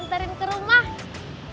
om pur antarin ke rumah